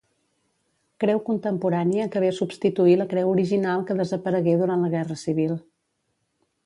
Creu contemporània que ve a substituir la creu original que desaparegué durant la Guerra Civil.